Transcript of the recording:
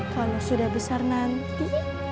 kalau sudah besar nanti